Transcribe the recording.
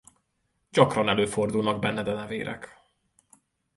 Gyakran előfordulnak benne denevérek.